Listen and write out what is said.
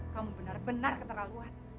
kamu benar benar keterlaluan